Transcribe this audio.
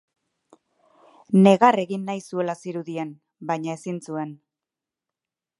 Negar egin nahi zuela zirudien, baina ezin zuen.